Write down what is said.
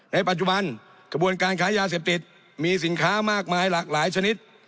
ในปัจจุบันกระบวนการค้ายาเสพติดมีสินค้ามากมายหลากหลายชนิด